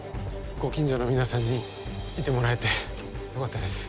ご近所の皆さんにいてもらえてよかったです。